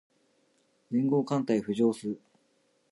連合艦隊浮上す